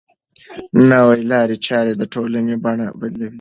نوې لارې چارې د ټولنې بڼه بدلوي.